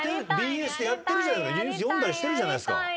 ＢＳでやってるじゃないですか。